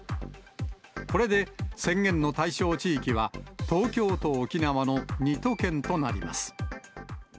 これで宣言の対象地域は、東京と沖縄の２都県となります。